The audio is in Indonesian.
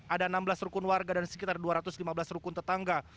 ada enam belas rukun warga dan sekitar dua ratus lima belas rukun tetangga